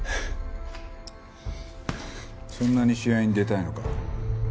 そんなに試合に出たいのか。